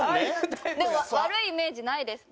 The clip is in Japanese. でも悪いイメージないです。